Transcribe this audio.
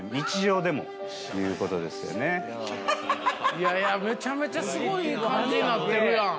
いやいやめちゃめちゃすごい感じになってるやん。